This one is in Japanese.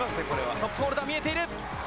トップホルダー、見えています。